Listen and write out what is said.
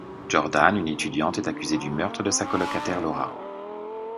Jordan, une étudiante, est accusée du meurtre de sa colocataire, Laura.